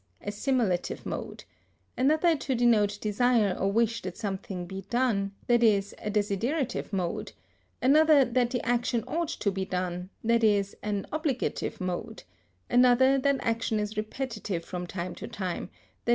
_, a simulative mode; another to denote desire or wish that something be done, i.e., a desiderative mode; another that the action ought to be done, i.e., an obligative mode; another that action is repetitive from time to time, _i.